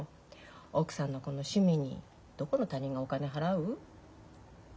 奥さんのこの趣味にどこの他人がお金払う？